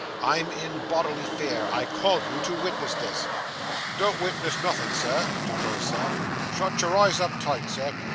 I'm in bodily fear. I call you to witness this.' 'Don't witness nothin', Sir,' interposed Sam. 'Shut your eyes up tight, Sir.